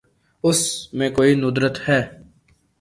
اس میں کوئی ندرت ہے۔